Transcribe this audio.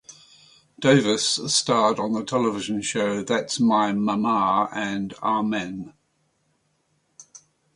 Davis starred on the television shows "That's My Mama" and "Amen".